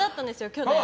去年。